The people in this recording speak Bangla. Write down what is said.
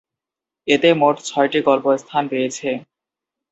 এতে মোট ছয়টি গল্প স্থান পেয়েছে।